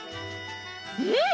うん！